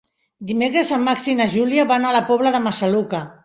Dimecres en Max i na Júlia van a la Pobla de Massaluca.